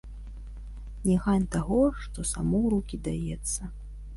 Не гань таго, што само ў рукі даецца.